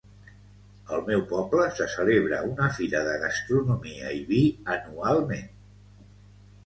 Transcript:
Al meu poble, se celebra una fira de gastronomia i vi anualment.